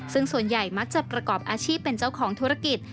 ซึ่งส่วนใหญ่มักจะประกอบอาชีพเป็นเจ้าของธุรกิจ